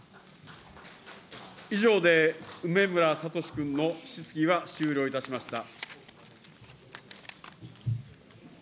以上で梅村聡君の質疑は終了いたしました。